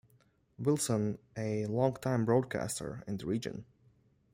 Wilson, a longtime broadcaster in the region.